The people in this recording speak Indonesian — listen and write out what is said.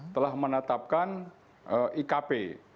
telah menetapkan ikp